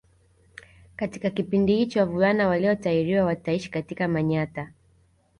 Katika kipindi hicho wavulana waliotahiriwa wataishi katika Manyatta